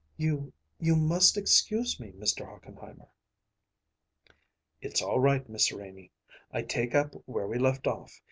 "You you must excuse me, Mr. Hochenheimer." "It's all right, Miss Renie. I take up where we left off.